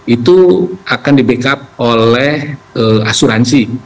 itu akan di backup oleh asuransi